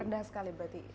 rendah sekali berarti